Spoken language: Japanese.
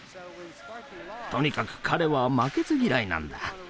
とにかく彼は負けず嫌いなんだ。